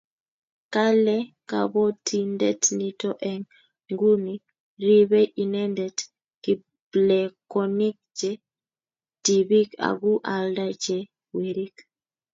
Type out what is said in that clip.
kale kabotindet nito eng' nguni ribei inendet kiplekonik che tibik aku alda che werik